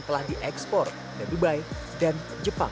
telah diekspor ke dubai dan jepang